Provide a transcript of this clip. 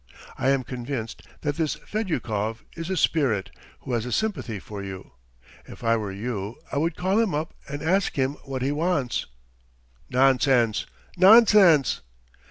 I am convinced that this Fedyukov is a spirit who has a sympathy for you ... If I were you, I would call him up and ask him what he wants." "Nonsense, nonsense!"